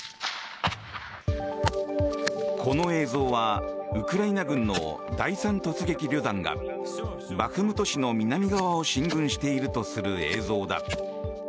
この映像はウクライナ軍の第３突撃旅団がバフムト市の南側を進軍しているとする映像だ。